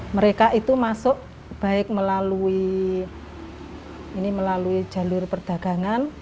mereka itu masuk baik melalui jalur perdagangan